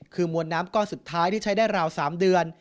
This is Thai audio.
คือมวลน้ำก้อนสุดท้ายที่ใช้ได้ราว๓เดือน